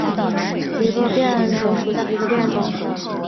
会泽紫堇为罂粟科紫堇属下的一个变种。